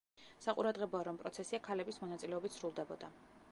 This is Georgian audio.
საყურადღებოა რომ პროცესია ქალების მონაწილეობით სრულდებოდა.